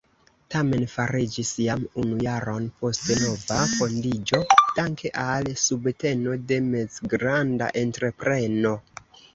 Tamen fariĝis jam unu jaron poste nova fondiĝo danke al subteno de mezgranda entrepreno.